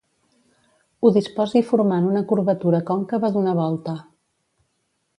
Ho disposi formant una curvatura còncava d'una volta.